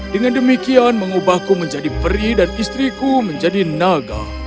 dengan demikian mengubahku menjadi peri dan istriku menjadi naga